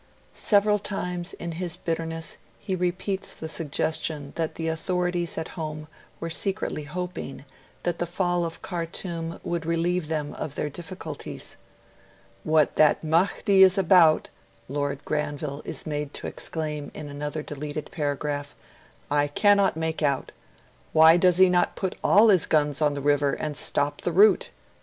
Several times in his bitterness he repeats the suggestion that the authorities at home were secretly hoping that the fall of Khartoum would relieve them of their difficulties. 'What that Mahdi is about, Lord Granville is made to exclaim in another deleted paragraph, 'I cannot make out. Why does he not put all his guns on the river and stop the route?